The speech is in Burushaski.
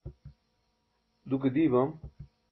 duke dii bam